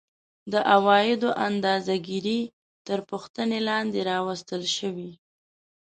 د عوایدو اندازه ګیري تر پوښتنې لاندې راوستل شوې